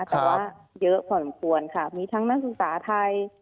แต่ว่าเยอะพอสมควรค่ะมีทั้งนักศึกษาไทย